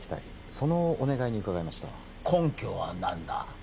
そのお願いに伺いました根拠は何だ？